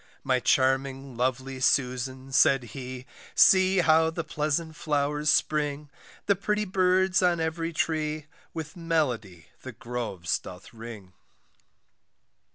My charming lovely Susan, said he, See how the pleasant flowers spring, The pretty birds on every tree, With melody the groves doth ring.